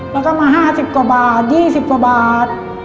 แล้วก็มาห้าสิบกว่าบาทยี่สิบกว่าบาท